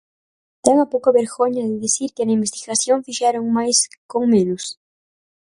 ¿Ten a pouca vergoña de dicir que na investigación fixeron máis con menos?